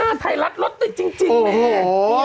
โอ้โฮหน้าไทยรัฐรถติดจริงเนี่ย